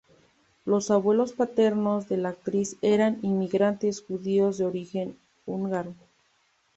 Los abuelos paternos de la actriz eran inmigrantes judíos de origen húngaro.